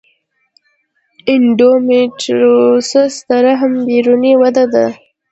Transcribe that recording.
د انډومیټریوسس د رحم بیروني وده ده.